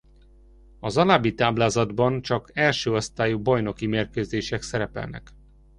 Az alábbi táblázatban csak első osztályú bajnoki mérkőzések szerepelnek.